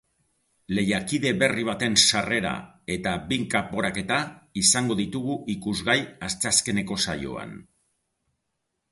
Lehiakide berri baten sarrera eta bi kanporaketa izango ditugu ikusgai asteazkeneko saioan.